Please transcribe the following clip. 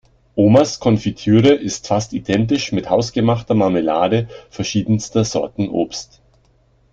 Omas Konfitüre ist fast identisch mit hausgemachter Marmelade verschiedenster Sorten Obst.